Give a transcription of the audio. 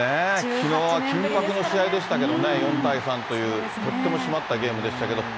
きのうは緊迫の試合でしたけどね、４対３という、とっても締まったゲームでしたけれども。